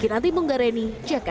kiranti bungga reni jakarta